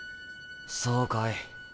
そうかい。